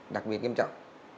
đặc biệt nghiêm trọng